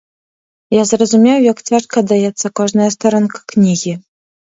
Я зразумеў, як цяжка даецца кожная старонка кнігі.